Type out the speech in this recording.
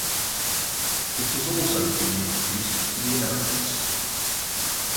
It has also been introduced to the Americas.